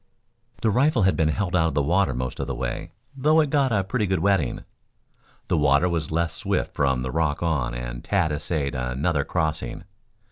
The rifle had been held out of the water most of the way, though it got a pretty good wetting. The water was less swift from the rock on, and Tad essayed another crossing.